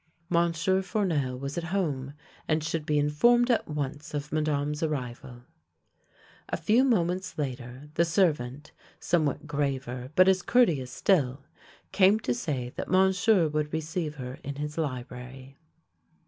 Monsieur Fournel was at home and should be informed at once of Madame's arrival. A few moments later, the servant, somewhat graver ■but as courteous still, came to say that Monsieur would receive her in his library.